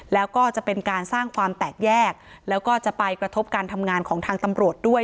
แล้วก็จะเป็นการสร้างความแตกแยกแล้วก็จะไปกระทบการทำงานของทางตำรวจด้วย